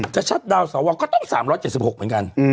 ชัดดาวนสวก็ต้อง๓๗๖เหมือนกัน